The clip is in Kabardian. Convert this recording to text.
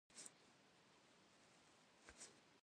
Alhpır khralhgulhç'e yağaşşxe.